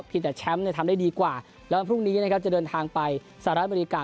เพียงแต่แชมป์ทำได้ดีกว่าแล้วพรุ่งนี้จะเดินทางไปสหรัฐบริกา